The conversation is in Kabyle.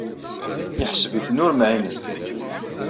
Yeḥseb-iten ur mɛinen.